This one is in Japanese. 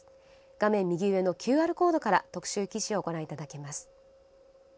画面右上のＱＲコードから特集記事をご覧いただけます。